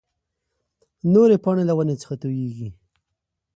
نورې پاڼې له ونې څخه تويېږي.